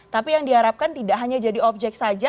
tapi yang diharapkan tidak hanya jadi objek saja